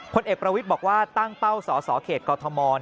ผลเอกประวิทย์บอกว่าตั้งเป้าสสเขตกอทม